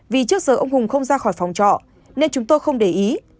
vì trước giờ ông hùng không ra khỏi phòng trọ nên chúng tôi không để ý